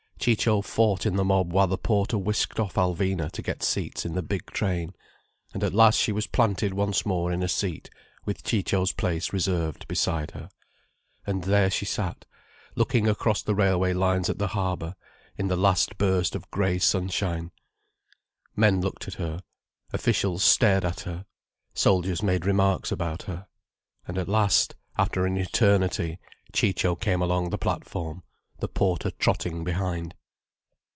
Ciccio fought in the mob while the porter whisked off Alvina to get seats in the big train. And at last she was planted once more in a seat, with Ciccio's place reserved beside her. And there she sat, looking across the railway lines at the harbour, in the last burst of grey sunshine. Men looked at her, officials stared at her, soldiers made remarks about her. And at last, after an eternity, Ciccio came along the platform, the porter trotting behind.